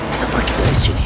kita pergi dari sini